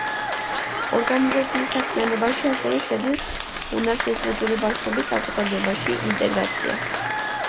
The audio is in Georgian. ორგანიზაციის საქმიანობაში ასევე შედის უნარშეზღუდული ბავშვების საზოგადოებაში ინტეგრაცია.